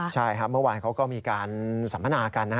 ใช่ครับเมื่อวานเขาก็มีการสัมมนากัน